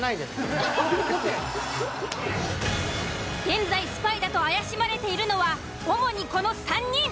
現在スパイだと怪しまれているのは主にこの３人。